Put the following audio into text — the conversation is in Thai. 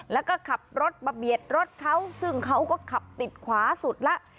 แล้วก็ขับรถมาเบียดรถเขาซึ่งเขาก็ขับติดขวาสุดแล้ว